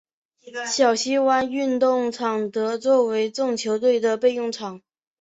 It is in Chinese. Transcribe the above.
小西湾运动场则作为众球队的备用场。